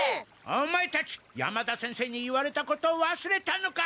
オマエたち山田先生に言われたことを忘れたのか！